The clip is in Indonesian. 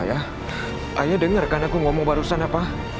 ayah ayah denger kan aku ngomong barusan apa